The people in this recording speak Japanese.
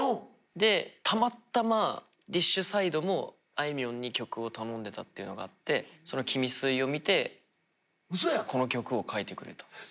でたまたまＤＩＳＨ／／サイドもあいみょんに曲を頼んでたっていうのがあってその「キミスイ」を見てこの曲を書いてくれたんです。